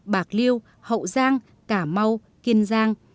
bạc liêu hậu giang cả mau kiên giang